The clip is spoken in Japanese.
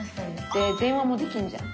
電話もできんじゃん